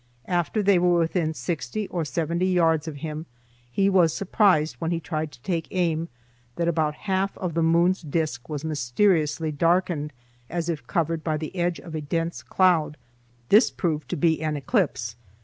After they were within sixty or seventy yards of him, he was surprised when he tried to take aim that about half of the moon's disc was mysteriously darkened as if covered by the edge of a dense cloud. This proved to be an eclipse.